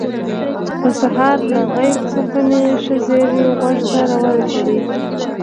په سهار له غیب څخه مې ښه زیری غوږ ته راورسېد.